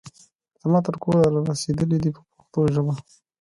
زما تر کوره را رسېدلي دي په پښتو ژبه.